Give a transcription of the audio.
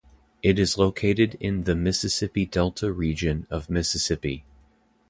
It is located in the Mississippi Delta region of Mississippi.